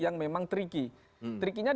yang memang tricky trickiness